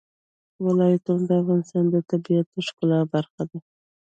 ولایتونه د افغانستان د طبیعت د ښکلا برخه ده.